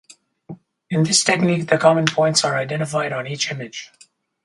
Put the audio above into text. In this technique, the common points are identified on each image.